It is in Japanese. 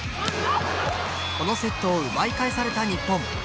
このセットを奪い返された日本。